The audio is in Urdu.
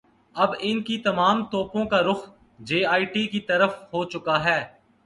اب ان کی تمام توپوں کا رخ جے آئی ٹی کی طرف ہوچکا ہے۔